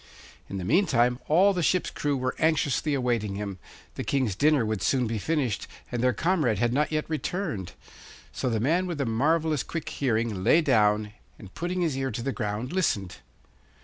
In the meantime all the ship's crew were anxiously awaiting him; the King's dinner would soon be finished, and their comrade had not yet returned. So the man with the marvellous quick hearing lay down and, putting his ear to the ground, listened.